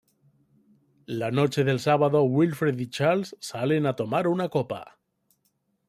La noche del sábado Wilfred y Charles salen a tomar una copa.